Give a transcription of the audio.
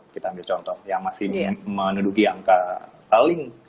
kita ambil contoh yang masih menuduki angka paling